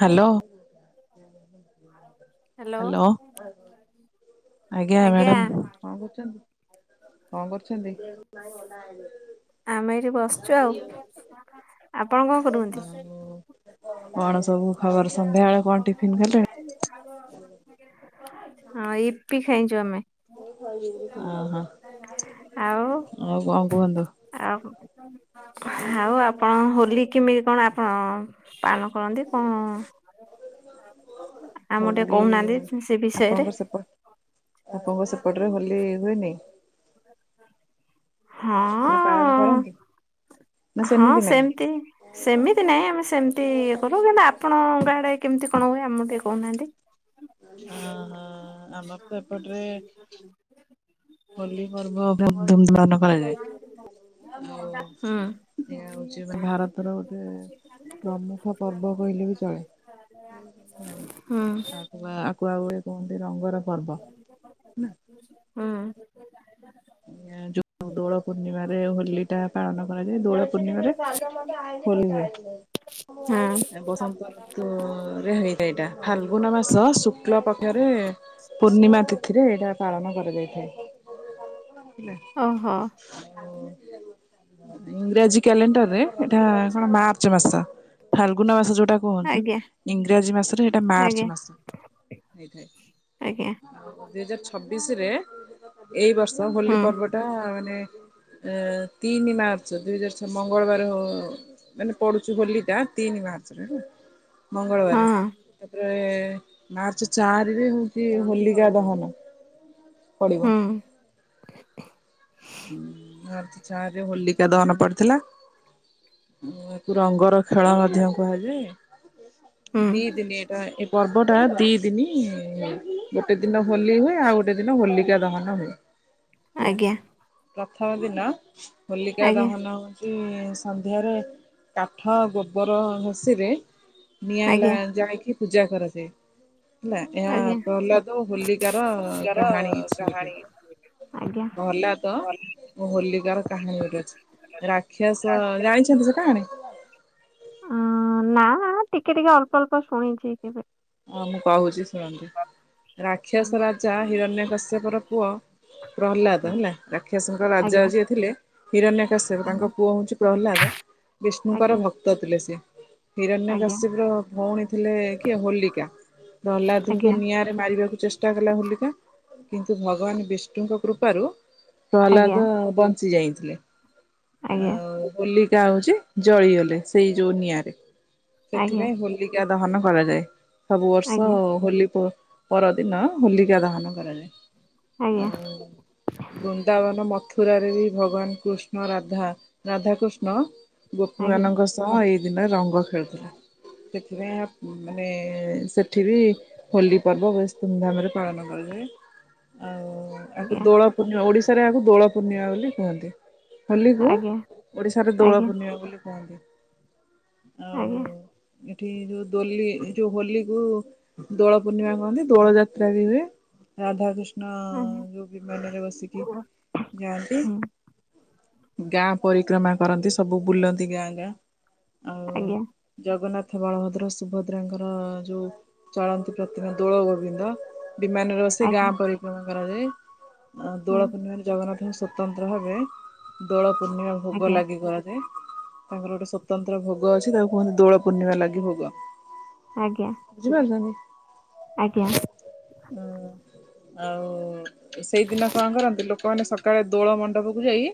Hello hello hello ଆଜ୍ଞା madam କଣ କହୁଛନ୍ତି? କଣ କରୁଛନ୍ତି? ଆମେ ଏଠି ବସିଛୁ ଆଉ, ଆପଣ କଣ କରୁଛନ୍ତି? ଆଉ କଣ ସବୁ ଖବର ସନ୍ଧ୍ୟାବେଳେ କଣ ଟିଫିନ କଲେ? [inaudible] ହଁ ଇପି ଖାଇଛୁ ଆମେ। ଅ ହଁ, ଆଉ ଆଉ କଣ କୁହନ୍ତୁ? ଆଉ ଆଉ ଆପଣ ହୋଲି କେମିତି କଣ ଆପଣ ପାଳନ କରନ୍ତି କଣ? ଆମକୁ ଟିକେ ହୋଲି କହୁନାହାନ୍ତି ସେ ଆପଣଙ୍କ ବିଷୟରେ। ସେପଟ ଆପଣଙ୍କ ସେପଟରେ ହୋଲି ହୁଏନି? ହଁ ନା ପାଳନ କରନ୍ତି ନା ହଁ ସେମିତି ନାହିଁ? ସେମତି। ସେମିତି ନାହିଁ ଆମେ ସେମିତି ଇଏ କରୁ କିନ୍ତୁ ଆପଣଙ୍କ ଗାଆଡ଼େ କେମିତି କଣ ହୁଏ ଆମ ଟିକେ କହୁନାହାନ୍ତି? ହଁ ହଁ ଆମର ତ ଏପଟରେ ହୋଲି ପର୍ବ ଧୁମ୍ ପାଳନ କରାଯାଏ। ଆଉ ହୁଁ ଭାରତର ଗୋଟେ ପ୍ରମୁଖ ପର୍ବ କହିଲେ ବି ଚଳେ। ହୁଁ ଆକୁ ଆଗୁଏ କୁହନ୍ତି ରଙ୍ଗର ପର୍ବ। ହୁଁ ଆଁ ଯୋଉ ଦୋଳ ପୂର୍ଣ୍ଣିମାରେ ହୋଲି ଟା ପାଳନ କରାଯାଏ ଦୋଳ [unintelligible] ତ ହଁ ରେ ହେଇଥାଏ ଏଇଟା ଫାଲଗୁନ ମାସ ଶୁକ୍ଳ ପକ୍ଷରେ ପୂର୍ଣ୍ଣିମା ତିଥି ଥିରେ ଏଇଟା ପାଳନ କରାଯାଇଥାଏ। [unintelligible] ଓହୋ [inaudible] ଇଂରାଜୀ କ୍ୟାଲେଣ୍ଡର ରେ ଏଇଟା କଣ ମାର୍ଚ୍ଚ ମାସ ଫାଲଗୁନ ମାସ ଯୋଉଟା କୁହନ୍ତୁ ଆଜ୍ଞା ଇଂରାଜୀ ମାସରେ ସେଇଟା ମାର୍ଚ୍ଚ ଆଜ୍ଞା ମାସ ହେଇଥାଏ। ଆଜ୍ଞା ଦୁଇ ହଜାର ଛବିଶରେ ଏଇ ବର୍ଷ ହୋଲି ହୁଁ ପର୍ବଟା ମାନେ ଏ ତିନି ମାର୍ଚ୍ଚ ଦୁଇ ହଜାର ଛଅ ମଙ୍ଗଳବାର ହଉ ମାନେ ପଡୁଛି ହୋଲି ଟା ତିନି ମାର୍ଚ୍ଚରେ ହେଲା ହଁ ମଙ୍ଗଳବାର ତାପରେ ମାର୍ଚ୍ଚ ଚାରିରେ ହଉଛି ହୋଲିକା ଦହନ ପଡିବ। ହୁଁ [inaudible] ମାର୍ଚ୍ଚ ଚାରିରେ ହୋଲିକା ଦହନ ପଡିଥିଲା। ଏହାକୁ ରଙ୍ଗର ଖେଳ ମଧ୍ୟ କୁହାଯାଏ। ହୁଁ ଦି ଦିନି ଏଟା ଏ ପର୍ବ ଟା ଦି ଦିନି ଗୋଟେ ଦିନ ହୋଲି ହୁଏ, ଆଉ ଗୋଟେ ଦିନ ହୋଲିକା ଦହନ ହୁଏ। ହେଲା ଆଜ୍ଞା। ପ୍ରଥମ ଦିନ ହୋଲିକା ଆଜ୍ଞା ଦହନ ସନ୍ଧ୍ୟାରେ କାଠ, ଗୋବର, ଘଷିରେ ନିଆ ଲ ଆଜ୍ଞା ଯଏକି ପୂଜା କରଛ ହେଲା ଏହା ଆଜ୍ଞା କହିଲ ତ ହୋଲିକାର କାହାଣୀ ଅଛି ଗୋଟେ ଆଜ୍ଞା କହିଲ ତ ହୋଲିକାର କାହାଣୀ ଗୋଟେ ଅଛି ରାକ୍ଷସ ଜାଣିଛନ୍ତି ସେ କାହାଣୀ? ହ ନା ଟିକେ ଟିକେ ଅଳ୍ପ ଅଳ୍ପ ଶୁଣିଛି କେବେ। ହଁ ମୁଁ କହୁଛି ଶୁଣନ୍ତି ହୁଁ ରାକ୍ଷସ ରାଜା ହିରଣ୍ୟ କଶ୍ୟପର ପୁଅ ପ୍ରହଲାଦ ହୁଁ ତ ହେଲା ରାକ୍ଷସଙ୍କ ରାଜା ଆଜ୍ଞା ଯିଏ ଥିଲେ ହିରଣ୍ୟକାଶ୍ୟ ଆଜ୍ଞା ତାଙ୍କ ପୁଅ ହଉଛି ପ୍ରହ୍ଲାଦ ବିଷ୍ଣୁଙ୍କର ଆଜ୍ଞା ଭକ୍ତ ଗୀତ ଥିଲେ ସିଏ ହିରଣ ଆଜ୍ଞା କାଶ୍ୟପ ର ଭଉଣୀ ଥିଲେ କିଏ ହୋଲିକ ହଲାଦୁଙ୍କୁ ଆଜ୍ଞା ନି ନିରେ ମାରିବାକୁ ଚେଷ୍ଟା କଲା ହୋଲିକା କିନ୍ତୁ ଭଗବାନ ବିଷ୍ଣୁଙ୍କ କୃପାରୁ ଆଜ୍ଞା ପ୍ରହଲାଦ ବଞ୍ଚି ଯାଇଥିଲେ ଆଜ୍ଞା ଆଉଲି ଯାହା ହଉଛି ଜଳିଗଲେ ସେଇ ଯୋଉ ନିଆଁରେ ଆଜ୍ଞା ସେଥିପାଇଁ ହୋଲିକା ଦହନ କରାଯାଏ ସବୁ ବର୍ଷ ଆଜ୍ଞା ହୋଲି ପରଦିନ ହୋଲିକା ଦହନ କରାଯାଏ। ଆଜ୍ଞା। ଆଉ ବୃନ୍ଦାବନ ମଥୁରାରେ ବି ଭଗବାନ କୃଷ୍ଣ ରାଧା ରାଧାକୃଷ୍ଣ ଗୋପୀ ଆଜ୍ଞା ଆଜ୍ଞା ଆଜ୍ଞା ମାନଙ୍କ ସହ ଏଇ ଦିନରେ ରଙ୍ଗ ଖେଳୁଥିଲା ସେଥିପାଇଁ ମାନେ ସେଠି ବି ହୋଲି ପର୍ବ ବେଶ ଧୁମଧାମ ରେ ପାଳନ କରାଯାଏ ଆଉ ଆକୁ ଦୋଳ ପୂର୍ଣ୍ଣିମା ଓଡିଶାରେ ଏହାକୁ ଦୋଳ ପୂର୍ଣ୍ଣିମା ବୋଲି କୁହନ୍ତି ହୋଲି କୁ ଆଜ୍ଞା ଆଜ୍ଞା ଆଜ୍ଞା ଓଡିଶାରେ ଦୋଳ ଆଜ୍ଞା ପୂର୍ଣ୍ଣିମା ବୋଲି କୁହନ୍ତି ଆଉ ଏଠି ଯୋଉ ଦଲି ଯୋଉ ହୋଲି କୁ ଦୋଳ ପୂର୍ଣ୍ଣିମା କହନ୍ତି ଦୋଳ ଯାତ୍ରା ବି ହୁଏ ରାଧାକୃଷ୍ଣ ଯୋଉ ବି ମରେ ହୁଁ ବସିକି ଯାଆନ୍ତି ଗାଁ ପରିକ୍ରମା କରନ୍ତି ସବୁ ବୁଲନ୍ତି ଗାଁ ଗାଁ। ଆଉ ଆଜ୍ଞା। ଜଗନ୍ନାଥ, ବଳଭଦ୍ର, ସୁଭଦ୍ରାଙ୍କ ର ଯୋଉ ଚଳନ୍ତି ପ୍ରତିମା ଦୋଳ ଗୋବିନ୍ଦ ବିମାନରେ ବସି ଗାଁ ଆଜ୍ଞା ପରି ନା କରାଯାଏ ହୁଁ ଦୋଳ ପୂର୍ଣ୍ଣିମାରେ ଜଗନ୍ନାଥ ହ ସ୍ଵତନ୍ତ୍ର ହାବେ ଦୋଳ ପୂର୍ଣ୍ଣିମା ଭୋଗ ଲାଗି କରାଯାଏ ତାଙ୍କର ଗୋଟେ ସ୍ୱତନ୍ତ୍ର ଭୋଗ ଅଛି ତାକୁ କୁହନ୍ତି ଦୋଳ ପୂର୍ଣ୍ଣିମା ଲାଗି ଭୋଗ ଆଜ୍ଞା। ବୁଝିପାରୁଛନ୍ତି? ଆଜ୍ଞା। ହୁଁ, ଆଉ ସେଇଦିନ କଣ କରନ୍ତି? ଲୋ ଲୋକମାନେ ସକାଳେ ଦୋଳ ମଣ୍ଡପକୁ ଯାଇ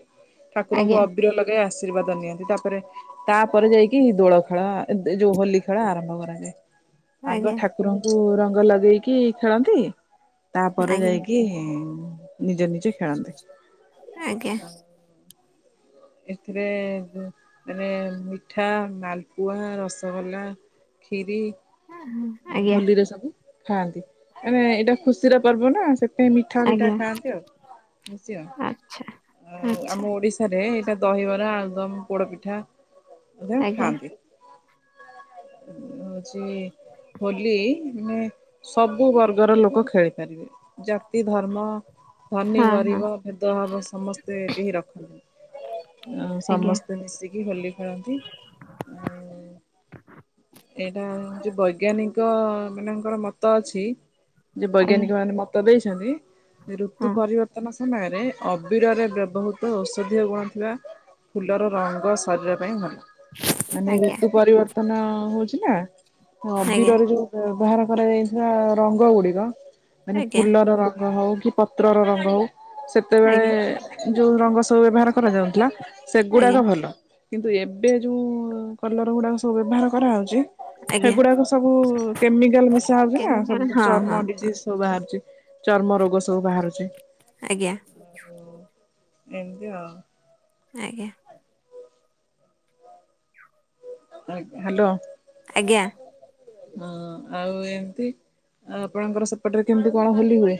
ଠାକୁରଙ୍କୁ ଆଜ୍ଞା ଅବିର ଲଗାଇ ଆସ ଆଶୀର୍ବାଦ ନିଅନ୍ତି, ତାପରେ, ତାପରେ ଯାଇକି ଦୋଳ ଖେଳ ଏ ଯୋଉ ହୋଲି ଖେଳ ଆରମ୍ଭ କରାଯାଏ। ହଁ ଆଗ ହଁ ଠାକୁରଙ୍କୁ ରଙ୍ଗ ଲଗେଇକି ଖେଳନ୍ତି, ତାପରେ ଆଜ୍ଞା ଯାଇକି ନିଜେ ନିଜେ ଖେଳନ୍ତି। ଆଜ୍ଞା। ଏଥିରେ ଯୋଉ ମାନେ ମିଠା, ମାଲପୁଆ, ରସଗୋଲା କ୍ଷୀରି। ହୋଲିରେ ସବୁ ଖାଆନ୍ତି। ମାନେ ଏଇଟା ଖୁସିର ପର୍ବ ନା, ସେ ସେଥିପାଇଁ ମିଠା ବିଠା ହଁ ଖାଆନ୍ତି ଆଉ ମିଶି ଆଉ। ଆଉ ଆମ ଓଡିଶାରେ ଦହିବରା, ଆଳୁଦମ୍, ପୋଡ ପିଠା ଆଜ୍ଞା ମଧ୍ୟ ଖାଆନ୍ତି। ହଉଛି ହୋଲି ମେ ସବୁ ବର୍ଗର ଲୋକ ଖେଳିପାରିବେ। ଜାତି, ଧର୍ମ, ଆଜ୍ଞା ଧନୀ, ଗରିବ ଭେଦଭାବ ସମସ୍ତେ କେହି ରଖନ୍ତିନି। ଆଉ ସମସ୍ତେ ମିଶିକି ହୋଲି ଖେଳନ୍ତି। ଆଉ ଏଇଟା ହଉଛି ବୈଜ୍ଞାନିକ ମାନଙ୍କର ମତ ଅଛି ଯେ ବୈଜ୍ଞାନିକ ମାନେ ମତ ଦେଇଛନ୍ତି ଋତୁ ପରିବର୍ତ୍ତ ବର୍ତ୍ତନ ସମୟରେ ଅବିରରେ ବ୍ୟବହୃତ ଔଷଧୀୟ ଗୁଣ ଥିବା ଫୁଲର ରଙ୍ଗ ଶରୀର ପାଇଁ ଭଲ। ମାନେ ଋତୁ ପରିବର୍ତ୍ତ ବର୍ତ୍ତନ ହଉଛି ନା ଅବିରରେ ଯୋଉ ବ୍ୟବହାର କରାଯାଇଥିବା ରଙ୍ଗ ଗୁଡିକ ମାନେ ଆଜ୍ଞା ଫୁଲର ରଙ୍ଗ ହଉ କି? ପତ୍ରର ରଙ୍ଗ ହଉ ସେତେବେଳେ ଆଜ୍ଞା ଯୋଉ ରଙ୍ଗ ସବୁ ବ୍ୟବହାର କରାଯାଉଥିଲା। ଆଜ୍ଞା ସେଗୁଡ଼ାକ ଭଲ। କିନ୍ତୁ ଏବେ ଯୋଉଁ କଲର ଗୁଡ଼ାକ ସବୁ ବ୍ୟବହାର କରାହେଉଛି ଆଜ୍ଞା ହେଗୁଡାକ ସବୁ କେମିକାଲ୍ ମିଶାହଉଛି ନା, କେମିତି ସବୁୁ ହଁ ହଁ ଚର୍ମ ଡିଜିଜ୍ ସବୁ ବାହାରୁଛି। ଚର୍ମ ରୋଗ ସବୁ ବାହାରୁଛି, ଆଜ୍ଞା ଏମତି ଆଉ। ଆଜ୍ଞା। ଆଜ୍ଞା, ହ୍ୟାଲୋ। ଆଜ୍ଞା। ହଁ, ଆଉ ଏମତି। ଆଉ ଆପଣଙ୍କର ସେପଟରେ କେମିତି କଣ ହୋଲି ହୁଏ?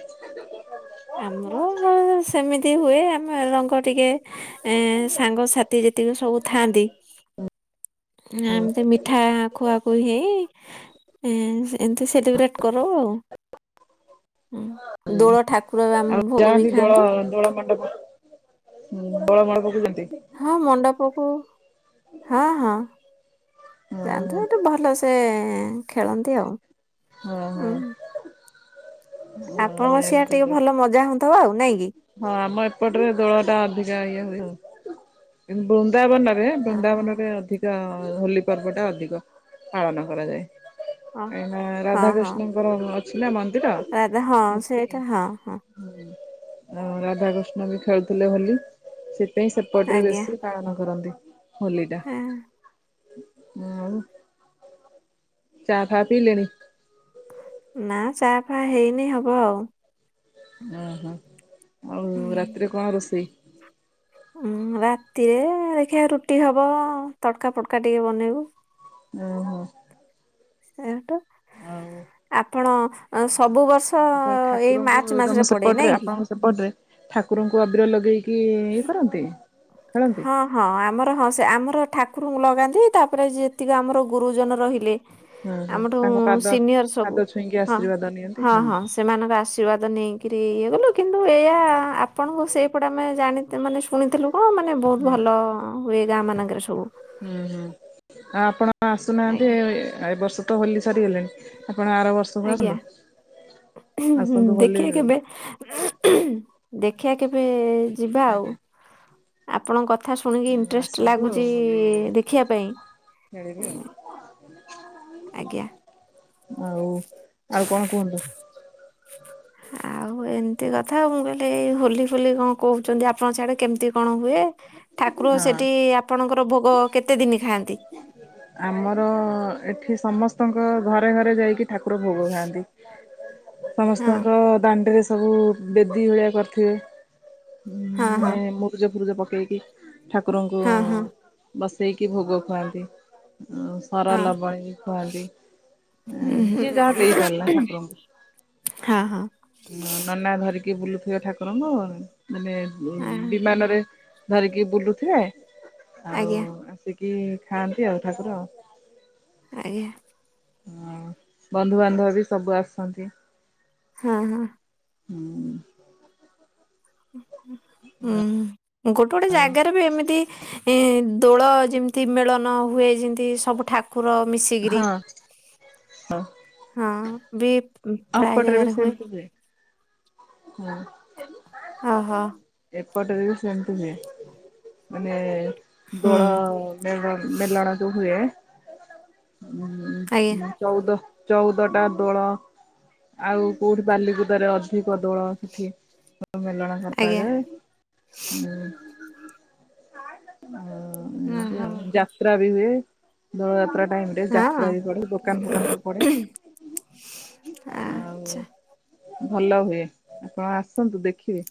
ଆମର ମ ସେମିତି ହୁଏ, ଆମେ ରଙ୍ଗ ଟିକେ ଏଁ ସାଙ୍ଗସାଥି ଯେତିକ ସବୁ ଥାଆନ୍ତି। ଏମତି ମିଠା ଖୁଆ ଖୁଇ ହେଇ ଏ ଏମିତି ସେଲିବ୍ରେଟ୍ କରୁ ଆଉ। ଦୋଳ ଠାକ ଆଉ ଯାଆନ୍ତି ଦୋଳ ଦୋଳମଣ୍ଡପ ଦୋଳମଣ୍ଡପ ବେଦୀକୁ। ହଁ ମଣ୍ଡପକୁ ହଁ, ହଁ। ଯାଆନ୍ତି ହେଠି ଭଲସେ ସେ ଖେଳନ୍ତି ଆଉ। ହଁ ହୁଁ ହଁ। ଆଉ ଆପଣଙ୍କ ସିଆଡେ ଏମିତି ତ ଟିକେ ଭଲ ମଜା ହଉଥବ ଆଉ, ନାଇଁ କି? ହଁ ଆମ ଏପଟରେ ଦୋଳ ଟା ଅଧିକା ଇଏ ହୁଏ। ବୃନ୍ଦାବନରେ, ହଁ ହଁ ବୃନ୍ଦାବନ ରେ ଅଧିକ ହୋଲିପର୍ବ ଟା ଅଧିକ ପାଳନ କରାଯାଏ। ହଁ କାଇଁକିନା ହଁ ହଁ। ରାଧାକୃଷ୍ଣଙ୍କର ଅଛି ନା ମନ୍ଦିର, ରାଧା ହଁ ମୂର୍ତ୍ତି। ସେଇଟା ହଁ ହଁ ହୁଁ। ଆଉ ରାଧାକୃଷ୍ଣ ବି ଖେଳୁଥିଲେ ହୋଲି ସେଥିପାଇଁ ସେପଟରେ ଆଜ୍ଞା ବେଶୀ ପାଳନ କରନ୍ତି। ହୋଲିଟା। ହଁ। ଉଁ ଆଉ ଚା ଫା ପିଇ ଲେଣି? ନା ଚା ଫା ହେଇନି ହବ ଆଉ। ଓହୋ ଆଉ ରାତିରେ କଣ ରୋଷେଇ? ଉଁ ରାତିରେ ଦେଖିବା ରୁଟି ହବ ତଡ଼କା ଫଡ଼କା ଟିକେ ବନେଇବୁ। ହୁଁ ହୁଁ। ସେଠୁ ଆଉ ଆପଣ ସବୁ ବର୍ଷ ମୁ କହିଲି ଏଇ ମାର୍ଚ୍ଚ ଠାକୁରଙ୍କୁ ମାସରେ ତମ ପଡେ ନାଇଁ ସେପଟେରେ କି? ଆପଣଙ୍କ ସେପଟରେ ଠାକୁରଙ୍କୁ ଅବିର ଲଗେଇକି ଇଏ କରନ୍ତି ଖେଳନ୍ତି? ହଁ ହଁ ଆମର ହଁ ସେ ଆମର ଠାକୁରଙ୍କୁ ଲଗାନ୍ତି ତାପରେ ଯେତିକି ଆମର ଗୁରୁଜନ ରହିଲେ ହୁଁ ହୁଁ। ଆମଠୁ ତାଙ୍କ ପାଦ ସିନିୟର ପାଦ ସବୁ ଛୁଇଁକି ହଁ ଆଶୀର୍ବାଦ ନିଅନ୍ତି ହଁ ହଁ। ସେମାନଙ୍କ ଆଶୀର୍ବାଦ ନେଇକିରି ଇଏ ଗଲୁ କିନ୍ତୁ ଏଆ ଆପଣଙ୍କୁ ସେଇପଟେ ଆମେ ଜାଣି ତ ମାନେ ଶୁଣିଥିଲୁ କଣ ମାନେ ବହୁତ୍ ହୁଁ ଭଲ ହୁଏ ଗାଁ ମାନଙ୍କରେ ସବୁ। ହୁଁ ହୁଁ ଆଉ ଆପଣ ଆସୁନାହାନ୍ତି ଆଜ୍ଞା ଏ ବର୍ଷ ହୋଲି ସରିଗଲେଣି ଆପଣ ଆର ବ ଆଜ୍ଞା ଆସନ୍ତୁ ହୋଲି ଦେଖିବା କେବେ ଦେଖିଆ କେବେ ଯିବା ଆଉ? ଆଜ୍ଞା। ଆପଣଙ୍କ କଥା ଶୁଣିକି ଇଣ୍ଟରେଷ୍ଟ ଆସନ୍ତୁ ଲାଗୁଚି ହୋଲି ଦେଖିବା ଖେଳିବେ ପାଇଁ। ଆଜ୍ଞା। ଆଉ ଆଉ କଣ କୁହନ୍ତୁ? ଆଉ ଏମିତି କଥା ମୁଁ କହିଲି ଏଇ ହୋଲି ଫୋଲି କଣ କହୁଚନ୍ତି ଆପଣଙ୍କ ସିଆଡ଼େ କେମିତି କଣ ହୁଏ? ଠାକୁର ହଁ। ସେଠି ଆପଣଙ୍କର ଭୋଗ କେତେ ଦିନ ଖାଆନ୍ତି? ଆମର ଏଠି ସମସ୍ତଙ୍କ ଘରେ ଘରେ ଯାଇକି ଠାକୁର ଭୋଗ ଖାଆନ୍ତି। ହଁ। ସମସ୍ତଙ୍କ ଦାଣ୍ଡରେ ସବୁ ବେଦୀ ଭଳିଆ କରିଥିବେ ହଁ ମାନେ ମରୁଜ ଫୁରୁଜ ପକେଇକି ଠାକୁରଙ୍କୁ ହଁ ହଁ ବସେଇକି ଭୋଗ ଖୁଆନ୍ତି ଆଉ ହର ହଁ ଲବଣୀ କୁହନ୍ତି ହୁଁ ହୁଁ ଯିଏ ଯାହା ଦେଇ ପାରିଲା ଠାକୁରଙ୍କୁ ହଁ ହଁ। ନନା ଧରିକି ବୁଲୁଥିବେ ଠାକୁରଙ୍କୁ ମାନେ ଆ- ବିମାନରେ ଧରିକି ବୁଲୁଥିବେ ଆଉ ଆଜ୍ଞା ଆସିକି ଖାଆନ୍ତି ଆଉ ଠାକୁର। ଆଜ୍ଞା। ହଁ ବନ୍ଧୁବାନ୍ଧବବି ସବୁ ଆସନ୍ତି ହଁ ହଁ। ହୁଁ। ହୁଁ ଗୋଟେ ଗୋଟେ ଜାଗାରେବି ଏମିତି ଏଦୋଳ ଯେମିତି ଏତି ମେଳନ ହୁଏ ଯେମିତି ସବୁ ଠାକୁର ମିଶିକିରି ହଁ ହଁ ହଁ ବି ପ୍ରାୟ ଜାଗାରେ ହୁଏ। ହୁଁ। ଓହୋ। ଏପଟରେବି ସେମିତି ହୁଏ ମାନେ ହୁଁ ଦୋଳ େ ମେଲଣ ଯୋଉ ହୁଏ ଆଜ୍ଞା ଚଉଦ ଚଉଦଟା ଦୋଳ ଆଉ କୋଉଠି ବାଲିକୁଦରେ ଅଧିକ ଦୋଳ ସେଠି ମେଲଣ ଆଜ୍ଞା କରାଯାଏ। ହୁଁ ଏମିତି ଓହୋ ଆଉ ଯାତ୍ରା ହୁଏ ଦଳ ଯାତ୍ରା ଟାଇମରେ ହଁ ଯାତ୍ରାବି ପଡ଼େ ଦୋକାନ ଫୋକାନ କୁ ପଡ଼େ ଆଚ୍ଛା ଆଉ ଭଲ ହୁଏ ଆପଣ ଆସନ୍ତୁ ଦେଖିବେ।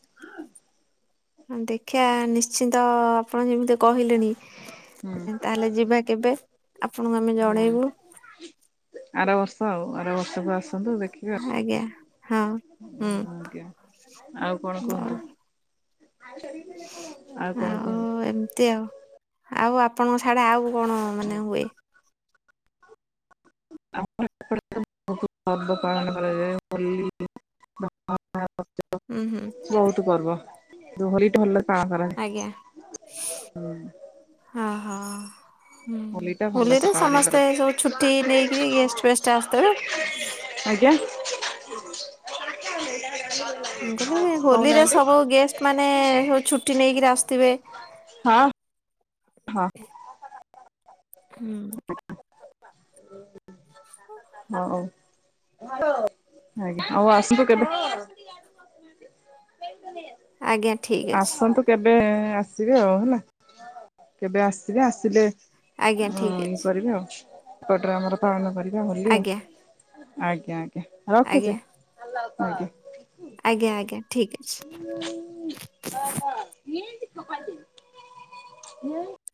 ହ ଦେଖିଆ ନିଶ୍ଚିନ୍ତ ଆପଣ ଯେମିତି କହିଲେଣି? ହୁଁ ତାହେଲେ ଯିବା କେବେ ଆପଣଙ୍କୁ ଆମେ ହୁଁ ଜଣେଇବୁ। ଆର ବର୍ଷ ଆଉ ଆର ବ ସବୁ ଆସନ୍ତୁ ଦେଖିବା ଆଜ୍ଞା ହଁ ହୁଁ ଆଜ୍ଞା। ଆଉ କଣ ବ- କୁହନ୍ତୁ? କଣ ଆଉ କୁହନ୍ତୁ ଏମତି ଆଉ। ଆଉ ଆପଣଙ୍କ ସାଡେ ଆଉ କଣ ମାନେ ହୁଏ? ଆ [inaudible] ହବ କଣ ହ [inaudible] ଉଁ ହୁଁ। ବହୁତ ପର୍ବ ହୋଲି ଭଲ। ପାଳନ କରାଯାଏ ଆଜ୍ଞା ହଁ ହଁ। ହୁଁ ହୋଲି ଟା ଭଲସେ ହୋଲିରେ ପାଳନ ସମସ୍ତେ କରାଯାଏ ସବୁ ଛୁଟି ନେଇକିରି ଗେଷ୍ଟ ଫେଷ୍ଟ ଆସିଥିବେ। ଆଜ୍ଞା। ମୁଁ କଲି ହୋଲିରେ କହୁନାହାନ୍ତି ସବୁ ଗେଷ୍ଟମାନେ ସବୁ ଛୁଟି ନେଇକିରି ଆସୁଥିବେ? ହଁ। ହଁ ହୁଁ। ଓ ହୁ [inaudible] ହୁଁ। ହଉ ଆଜ୍ଞା ଆଉ ଆସନ୍ତୁ କେବେ? ଆଜ୍ଞା ଠିକ୍ ଅଛି ଆସନ୍ତୁ। କେବେ ଆସିବେ ଆଉ ହେଲା କେବେ ଆସିବେ ଆସିଲେ, ଆଜ୍ଞା ମୁଁ ଠିକ୍ ଇ ଅଛି କରିବି ଆଉ ସେପଟରେ ଆମର ପାଳନ କରିବା ହୋଲି ଆଉ। ଆଜ୍ଞା ଆଜ୍ଞା ଆଜ୍ଞା ରଖୁଛି ଆଜ୍ଞା। ଅଜ୍ଞା। ଆଜ୍ଞା ଆଜ୍ଞା ଠିକ ଅଛି। ହଁ ମ ଟ କ [inaudible]